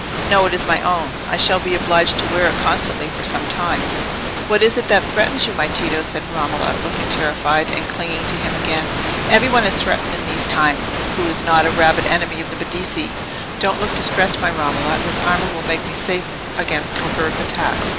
"No; it is my own. I shall be obliged to wear it constantly, for some time." "What is it that threatens you, my Tito?" said Romola, looking terrified, and clinging to him again. "Every one is threatened in these times, who is not a rabid enemy of the Medici. Don't look distressed, my Romola—this armour will make me safe against covert attacks."